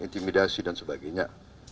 intimidasi dan sebagainya